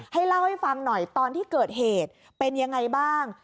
เล่าให้ฟังหน่อยตอนที่เกิดเหตุเป็นยังไงบ้าง